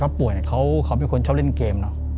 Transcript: ขณะที่เขาป่วยเขาเป็นคนชอบเล่นเกม